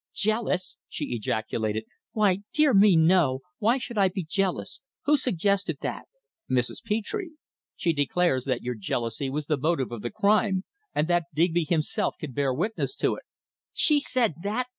"Jealous!" she ejaculated. "Why, dear me, no. Why should I be jealous? Who suggested that?" "Mrs. Petre. She declares that your jealousy was the motive of the crime, and that Digby himself can bear witness to it." "She said that?"